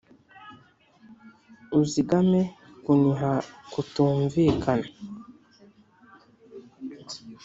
uzigame kuniha kutumvikana,